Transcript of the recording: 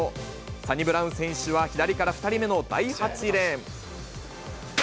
サニブラウン選手は左から２人目の第８レーン。